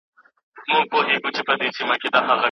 چي مو نه وینمه غم به مي په کور سي